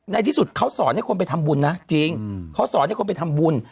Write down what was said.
ในที่สุดเขาสอนให้คนไปทำบุญนะจริงเขาสอนให้คนไปทำบุญ